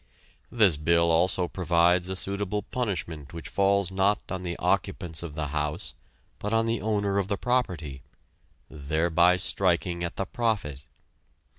This bill also provides a suitable punishment which falls not on the occupants of the house but on the owner of the property, thereby striking at the profit.